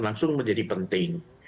langsung menjadi penting